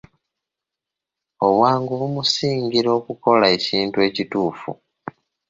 Obwangu bumusingira okukola ekintu ekituufu.